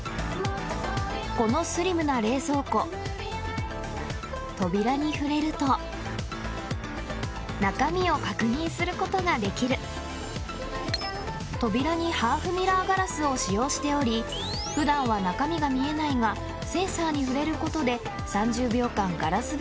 このスリムな冷蔵庫扉に触れると中身を確認することができる扉にハーフミラーガラスを使用しており普段は中身が見えないがという仕組み